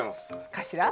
かしら？